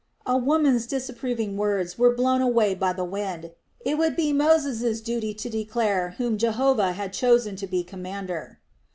"A woman's disapproving words were blown away by the wind. It would be Moses' duty to declare whom Jehovah had chosen to be commander."